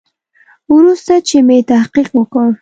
وروسته چې مې تحقیق وکړ.